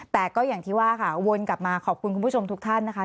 แต่ก็อย่างที่ว่าค่ะวนกลับมาขอบคุณคุณผู้ชมทุกท่านนะคะ